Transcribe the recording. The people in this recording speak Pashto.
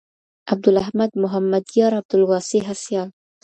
عبدالاحمد محمديار عبدالواسع هڅيال